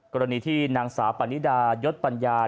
กรณีที่นางสาวปานิดายศปัญญา